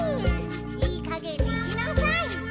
いいかげんにしなサイ。